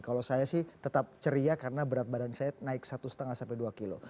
kalau saya sih tetap ceria karena berat badan saya naik satu lima sampai dua kilo